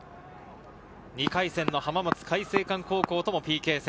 ２回戦の浜松開誠館高校ともＰＫ戦。